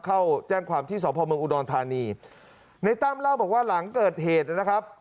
เข้าแจ้งความที่สพเมืองอุดรธานีในตั้มเล่าบอกว่าหลังเกิดเหตุนะครับ